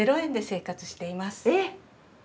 えっ！？